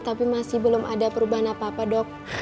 tapi masih belum ada perubahan apa apa dok